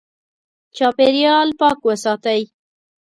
چاپېریال پاک وساتئ.